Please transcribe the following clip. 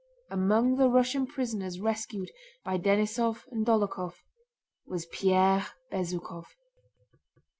Among the Russian prisoners rescued by Denísov and Dólokhov was Pierre Bezúkhov.